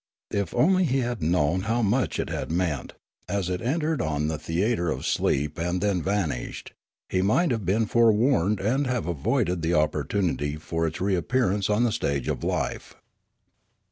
If only he had known how much it Tiad meant, as it entered on the theatre of sleep and My Education 21 then vanished, he might have been forewarned and have avoided the opportunity for its reappearance on the stage of life.